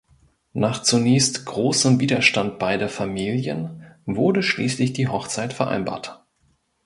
Nach zunächst großem Widerstand beider Familien wurde schließlich die Hochzeit vereinbart.